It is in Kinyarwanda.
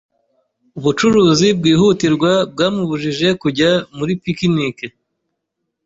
Ubucuruzi bwihutirwa bwamubujije kujya muri picnice